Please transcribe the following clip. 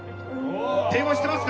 電話してますか？